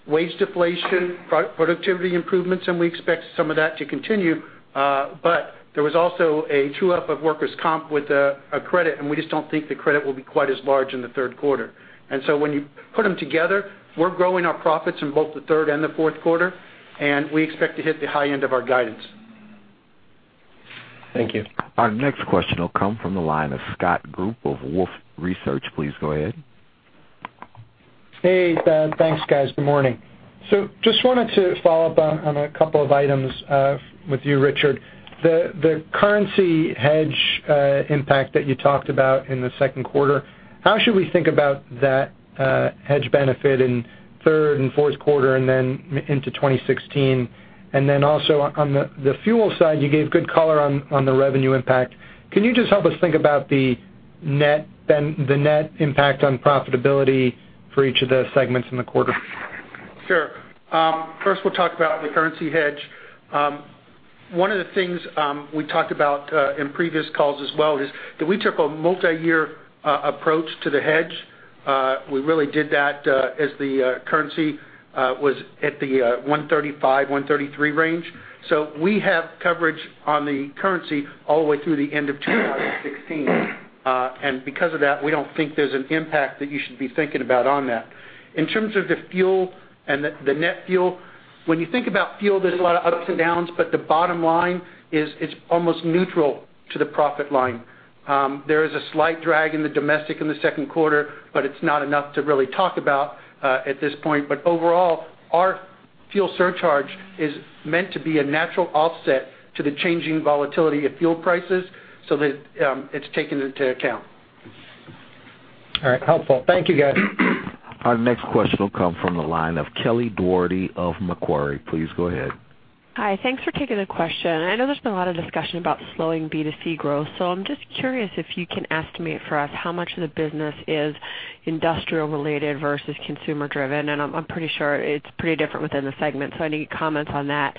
Speaker 4: wage deflation, productivity improvements, and we expect some of that to continue. There was also a true-up of workers' comp with a credit, and we just don't think the credit will be quite as large in the third quarter. When you put them together, we're growing our profits in both the third and the fourth quarter, and we expect to hit the high end of our guidance.
Speaker 20: Thank you.
Speaker 1: Our next question will come from the line of Scott Group of Wolfe Research. Please go ahead.
Speaker 21: Hey. Thanks, guys. Good morning. Just wanted to follow up on a couple of items with you, Richard. The currency hedge impact that you talked about in the second quarter, how should we think about that hedge benefit in third and fourth quarter and then into 2016? Also on the fuel side, you gave good color on the revenue impact. Can you just help us think about the net impact on profitability for each of the segments in the quarter?
Speaker 4: Sure. First we'll talk about the currency hedge. One of the things we talked about in previous calls as well is that we took a multi-year approach to the hedge. We really did that as the currency was at the 135, 133 range. We have coverage on the currency all the way through the end of 2016. Because of that, we don't think there's an impact that you should be thinking about on that. In terms of the fuel and the net fuel, when you think about fuel, there's a lot of ups and downs, but the bottom line is it's almost neutral to the profit line. There is a slight drag in the domestic in the second quarter, but it's not enough to really talk about at this point. Overall, our
Speaker 3: Fuel surcharge is meant to be a natural offset to the changing volatility of fuel prices so that it's taken into account.
Speaker 21: All right. Helpful. Thank you, guys.
Speaker 1: Our next question will come from the line of Kelly Dougherty of Macquarie. Please go ahead.
Speaker 22: Hi. Thanks for taking the question. I know there's been a lot of discussion about slowing B2C growth, so I'm just curious if you can estimate for us how much of the business is industrial-related versus consumer-driven. I'm pretty sure it's pretty different within the segment, so any comments on that.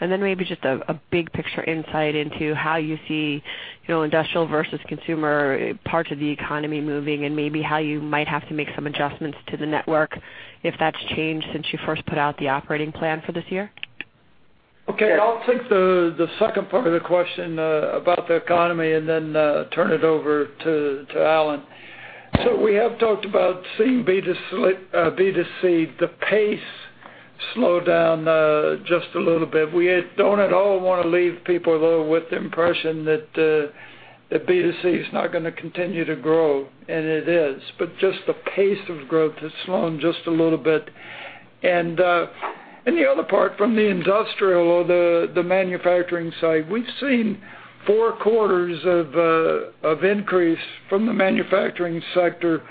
Speaker 22: Maybe just a big picture insight into how you see industrial versus consumer parts of the economy moving, and maybe how you might have to make some adjustments to the network if that's changed since you first put out the operating plan for this year.
Speaker 3: Okay. I'll take the second part of the question about the economy and then turn it over to Alan. We have talked about seeing B2C, the pace slow down just a little bit. We don't at all want to leave people though with the impression that B2C is not going to continue to grow, and it is. Just the pace of growth has slowed just a little bit. The other part, from the industrial or the manufacturing side, we've seen four quarters of increase from the manufacturing sector.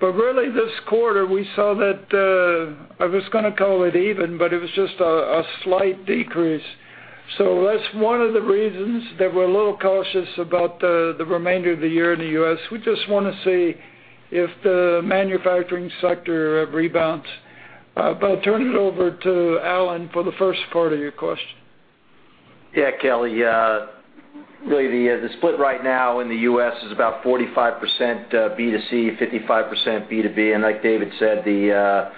Speaker 3: Really this quarter, we saw that, I was going to call it even, but it was just a slight decrease. That's one of the reasons that we're a little cautious about the remainder of the year in the U.S. We just want to see if the manufacturing sector rebounds. I'll turn it over to Alan for the first part of your question.
Speaker 6: Yeah, Kelly, really the split right now in the U.S. is about 45% B2C, 55% B2B. Like David said, the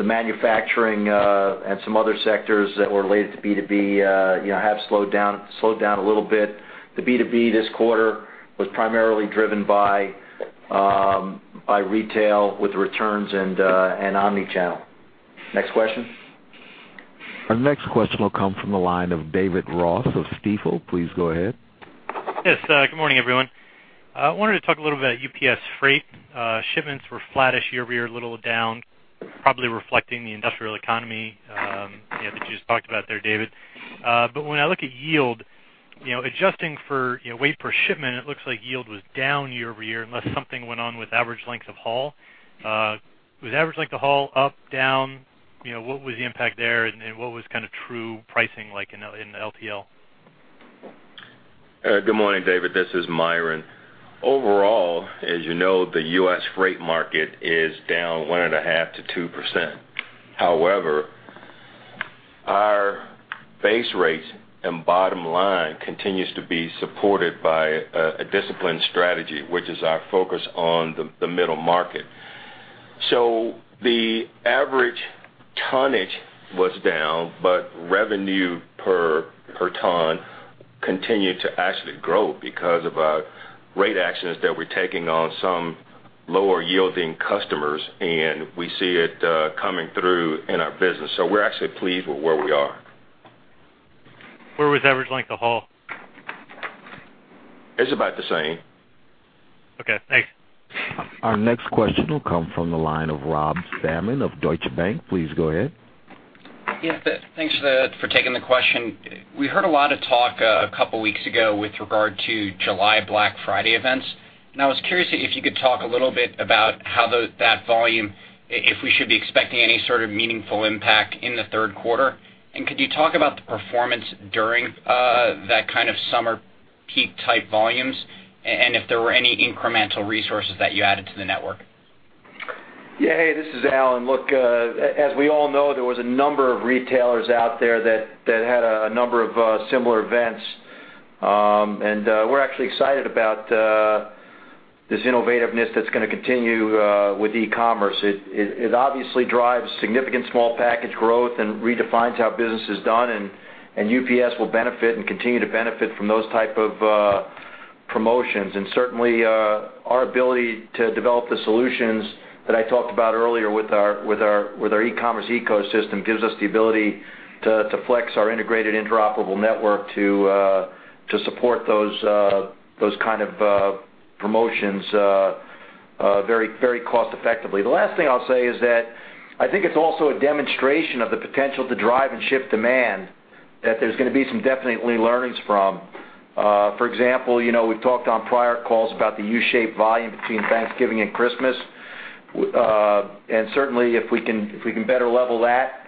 Speaker 6: manufacturing and some other sectors that were related to B2B have slowed down a little bit. The B2B this quarter was primarily driven by retail with returns and omnichannel. Next question.
Speaker 1: Our next question will come from the line of David Ross of Stifel. Please go ahead.
Speaker 23: Yes, good morning, everyone. I wanted to talk a little bit UPS Freight. Shipments were flattish year-over-year, a little down, probably reflecting the industrial economy that you just talked about there, David. When I look at yield, adjusting for weight per shipment, it looks like yield was down year-over-year unless something went on with average length of haul. Was average length of haul up, down? What was the impact there, and what was true pricing like in LTL?
Speaker 15: Good morning, David. This is Myron. Overall, as you know, the U.S. freight market is down 1.5%-2%. However, our base rates and bottom line continues to be supported by a disciplined strategy, which is our focus on the middle market. The average tonnage was down, but revenue per ton continued to actually grow because of rate actions that we're taking on some lower-yielding customers, and we see it coming through in our business. We're actually pleased with where we are.
Speaker 23: Where was average length of haul?
Speaker 15: It's about the same.
Speaker 23: Okay, thanks.
Speaker 1: Our next question will come from the line of Rob Salmon of Deutsche Bank. Please go ahead.
Speaker 24: Yes. Thanks for taking the question. We heard a lot of talk a couple of weeks ago with regard to July Black Friday events. I was curious if you could talk a little bit about that volume, if we should be expecting any sort of meaningful impact in the third quarter. Could you talk about the performance during that kind of summer peak type volumes and if there were any incremental resources that you added to the network?
Speaker 6: Yeah. This is Alan. Look, as we all know, there was a number of retailers out there that had a number of similar events. We're actually excited about this innovativeness that's going to continue with e-commerce. It obviously drives significant small package growth and redefines how business is done, and UPS will benefit and continue to benefit from those type of promotions. Certainly, our ability to develop the solutions that I talked about earlier with our e-commerce ecosystem gives us the ability to flex our integrated interoperable network to support those kind of promotions very cost effectively. The last thing I'll say is that I think it's also a demonstration of the potential to drive and shift demand that there's going to be some definitely learnings from. For example, we've talked on prior calls about the U-shaped volume between Thanksgiving and Christmas. Certainly, if we can better level that,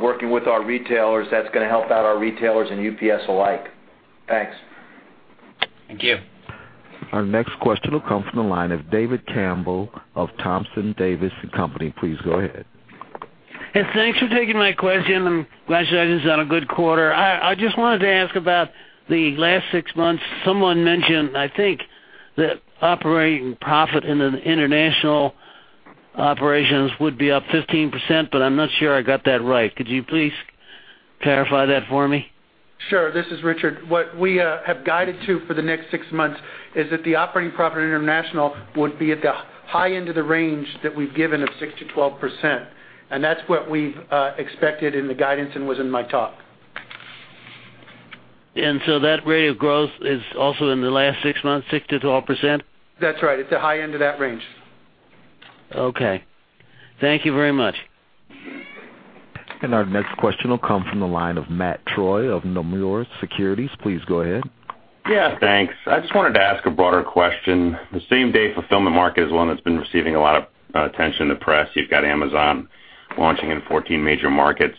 Speaker 6: working with our retailers, that's going to help out our retailers and UPS alike. Thanks.
Speaker 24: Thank you.
Speaker 1: Our next question will come from the line of David Campbell of Thompson, Davis & Company. Please go ahead.
Speaker 25: Yes, thanks for taking my question, and congratulations on a good quarter. I just wanted to ask about the last six months. Someone mentioned, I think, that operating profit in the international operations would be up 15%, but I'm not sure I got that right. Could you please clarify that for me?
Speaker 4: Sure. This is Richard. What we have guided to for the next six months is that the operating profit international would be at the high end of the range that we've given of 6%-12%. That's what we've expected in the guidance and was in my talk.
Speaker 25: That rate of growth is also in the last six months, 6%-12%?
Speaker 4: That's right. It's the high end of that range.
Speaker 25: Okay. Thank you very much.
Speaker 1: Our next question will come from the line of Matt Troy of Nomura Securities. Please go ahead.
Speaker 26: Yeah, thanks. I just wanted to ask a broader question. The same-day fulfillment market is one that's been receiving a lot of attention in the press. You've got Amazon launching in 14 major markets.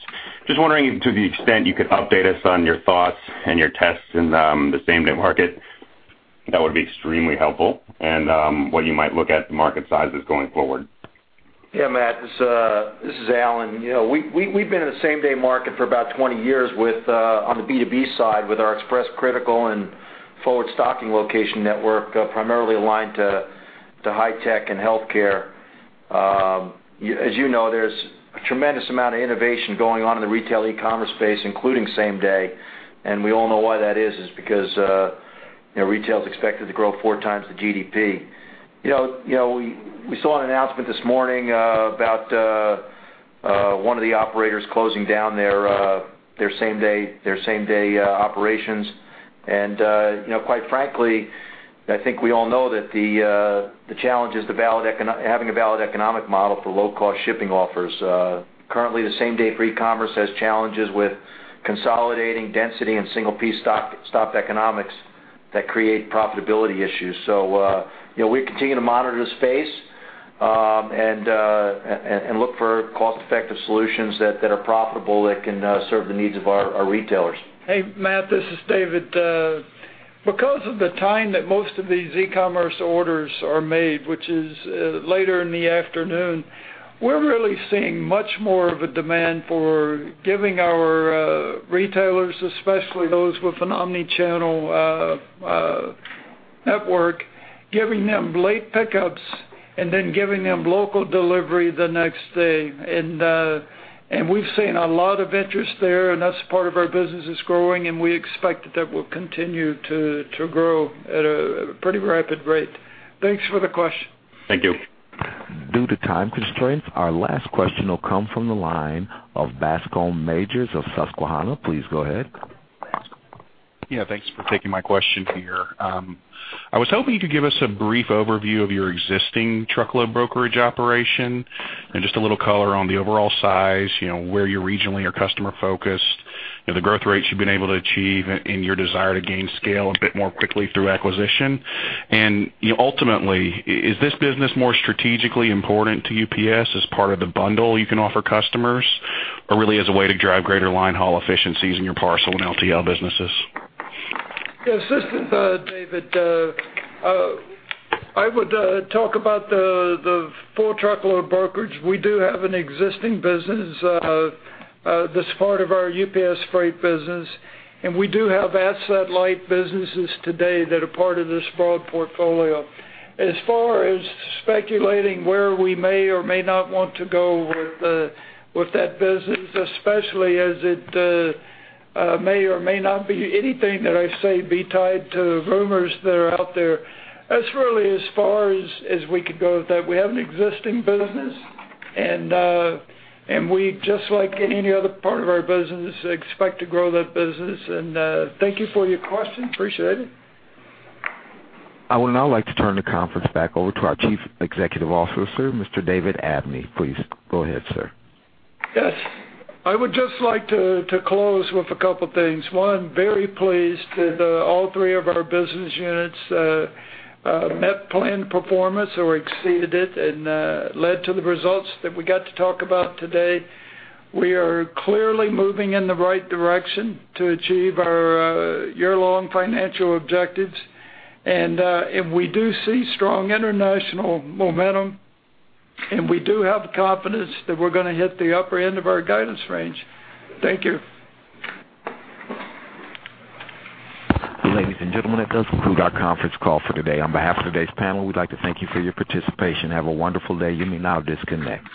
Speaker 26: Just wondering to the extent you could update us on your thoughts and your tests in the same-day market, that would be extremely helpful, and what you might look at the market sizes going forward.
Speaker 6: Yeah, Matt, this is Alan. We've been in the same-day market for about 20 years on the B2B side with our express critical and forward stocking location network, primarily aligned to high tech and healthcare. As you know, there's a tremendous amount of innovation going on in the retail e-commerce space, including same-day, and we all know why that is because retail is expected to grow four times the GDP. We saw an announcement this morning about one of the operators closing down their same-day operations. Quite frankly, I think we all know that the challenge is having a valid economic model for low-cost shipping offers. Currently, the same-day for e-commerce has challenges with consolidating density and single piece stock economics that create profitability issues. We continue to monitor the space and look for cost-effective solutions that are profitable, that can serve the needs of our retailers.
Speaker 3: Hey, Matt, this is David. Because of the time that most of these e-commerce orders are made, which is later in the afternoon, we're really seeing much more of a demand for giving our retailers, especially those with an omni-channel network, giving them late pickups and then giving them local delivery the next day. We've seen a lot of interest there, and that's part of our business is growing, and we expect that will continue to grow at a pretty rapid rate. Thanks for the question.
Speaker 26: Thank you.
Speaker 1: Due to time constraints, our last question will come from the line of Bascome Majors of Susquehanna. Please go ahead.
Speaker 27: Yeah, thanks for taking my question here. I was hoping you could give us a brief overview of your existing truckload brokerage operation and just a little color on the overall size, where you're regionally or customer-focused, the growth rates you've been able to achieve and your desire to gain scale a bit more quickly through acquisition. Ultimately, is this business more strategically important to UPS as part of the bundle you can offer customers, or really as a way to drive greater line haul efficiencies in your parcel and LTL businesses?
Speaker 3: Yes. This is David. I would talk about the full truckload brokerage. We do have an existing business that's part of our UPS Freight business, and we do have asset-light businesses today that are part of this broad portfolio. As far as speculating where we may or may not want to go with that business, especially as it may or may not be anything that I say be tied to rumors that are out there. That's really as far as we could go with that. We have an existing business, and we, just like any other part of our business, expect to grow that business. Thank you for your question. Appreciate it.
Speaker 1: I would now like to turn the conference back over to our Chief Executive Officer, Mr. David Abney. Please go ahead, sir.
Speaker 3: Yes. I would just like to close with a couple of things. One, very pleased that all three of our business units met planned performance or exceeded it and led to the results that we got to talk about today. We are clearly moving in the right direction to achieve our year-long financial objectives. We do see strong international momentum, and we do have confidence that we're going to hit the upper end of our guidance range. Thank you.
Speaker 1: Ladies and gentlemen, that does conclude our conference call for today. On behalf of today's panel, we'd like to thank you for your participation. Have a wonderful day. You may now disconnect.